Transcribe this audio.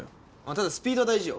ただスピードは大事よ。